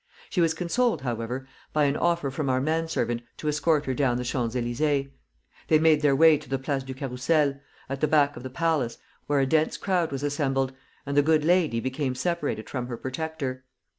She was consoled, however, by an offer from our man servant to escort her down the Champs Elysées. They made their way to the Place du Carrousel, at the back of the palace, where a dense crowd was assembled, and the good lady became separated from her protector.